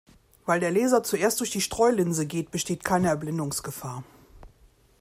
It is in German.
Weil der Laser zuerst durch eine Streulinse geht, besteht keine Erblindungsgefahr.